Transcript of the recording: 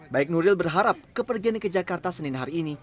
baik nuril berharap kepergiannya ke jakarta senin hari ini